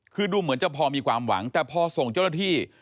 คือดูเหมือนจะพอมีความหวังแต่พอส่งเจ้าหน้าที่